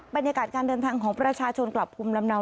บรรยากาศการเดินทางของประชาชนกลับภูมิลำเนา